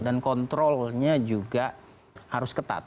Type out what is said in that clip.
dan kontrolnya juga harus ketat